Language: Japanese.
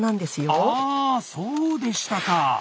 あそうでしたか。